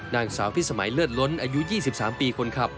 นางสาวพิสมัยเลือดล้นอายุ๒๓ปีคนขับ